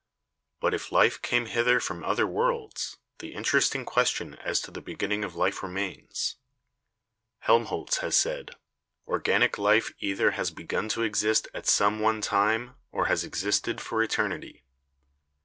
But if life came hither from other worlds, the interesting question as to the beginning of life remains. Helmholtz has said, "Organic life either has begun to exist at some one time or has existed for eternity."